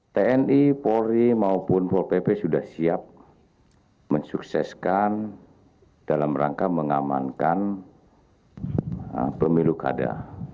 tni polri maupun pol pp sudah siap mensukseskan dalam rangka mengamankan pemilu kada